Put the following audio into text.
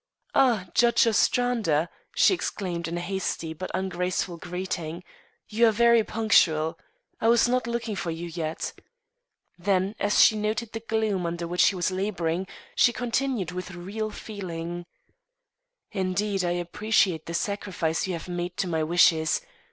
"Ah, Judge Ostrander," she exclaimed in a hasty but not ungraceful greeting, "you are very punctual. I was not looking for you yet." Then, as she noted the gloom under which he was labouring, she continued with real feeling, "Indeed, I appreciate this sacrifice you have made to my wishes.